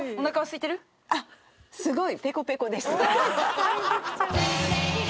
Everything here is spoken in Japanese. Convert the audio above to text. すごい。